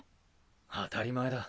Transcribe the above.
当たり前だ。